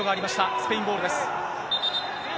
スペインボールです。